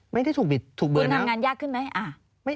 ไม่ได้ถูกบิดถูกบิดคุณทำงานยากขึ้นไหม